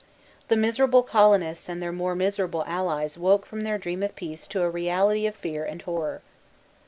The miserable colonists and their more miserable allies woke from their dream of peace to a reality of fear and horror.